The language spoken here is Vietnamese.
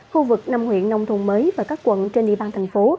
khu vực năm huyện nông thôn mới và các quận trên địa bàn tp hcm